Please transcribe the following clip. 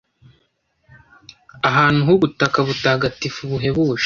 ahantu h'ubutaka butagatiku buhebuje